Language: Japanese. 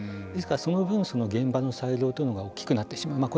ですから、その分現場の裁量というのが大きくなってしまう。